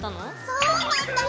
そうなんだよ。